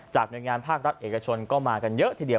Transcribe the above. หน่วยงานภาครัฐเอกชนก็มากันเยอะทีเดียว